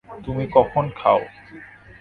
তুমি কখন খাও?